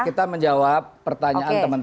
kita menjawab pertanyaan teman teman